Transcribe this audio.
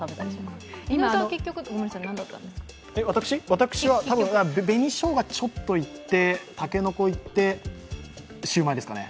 私は紅しょうがをちょっといって、たけのこいって、シウマイですかね